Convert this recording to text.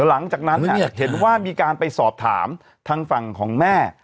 หลังจากนั้นเห็นว่ามีการไปสอบถามทางฝั่งของแม่